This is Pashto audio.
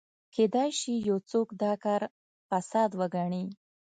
کېدای شي یو څوک دا کار فساد وګڼي.